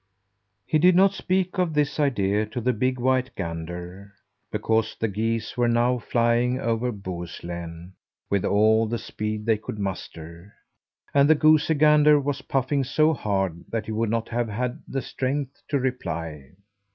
He did not speak of this idea to the big white gander, because the geese were now flying over Bohuslän with all the speed they could muster, and the goosey gander was puffing so hard that he would not have had the strength to reply.